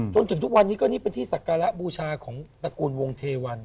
จนถึงทุกวันนี้ก็นี่เป็นที่ศักระบูชาของตระกูลวงเทวัน